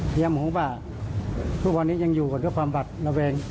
พี่ยามหัวบ้าทุกวันนี้ยังอยู่กับด้วยความบัตรระเวง